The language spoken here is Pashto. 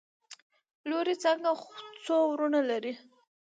لورې څانګه څو وروڼه لري؟؟